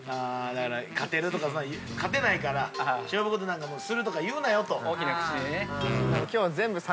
だから勝てないから勝負事なんかするとか言うなよと。